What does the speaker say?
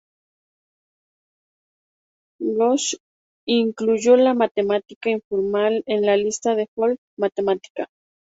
Ghosh incluyó la Matemática Informal en la lista de Folk Matemática.